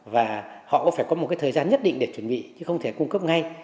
và họ phải có một thời gian nhất định để chuẩn bị chứ không thể cung cấp ngay